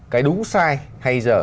cái đúng sai hay dở